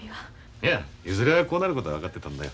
いやいずれはこうなることは分かってたんだよ。